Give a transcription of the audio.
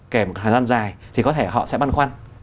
kèm thời gian dài thì có thể họ sẽ băn khoăn